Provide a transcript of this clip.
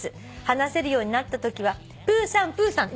「話せるようになったときは『プーさんプーさん』」